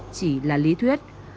chỉ là lý thuyết